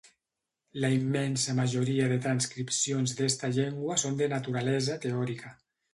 La immensa majoria de transcripcions d'esta llengua són de naturalesa teòrica.